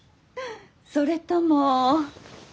それとも。